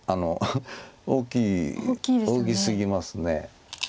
大きい大きすぎます。